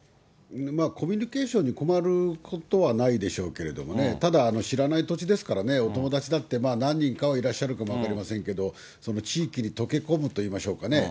コミュニケーションに困ることはないでしょうけどね、ただ、知らない土地ですからね、お友達だって、何人かはいらっしゃるかもしれませんけれども、地域に溶け込むといいましょうかね。